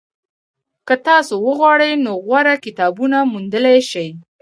که تاسو وغواړئ نو غوره کتابونه موندلی شئ.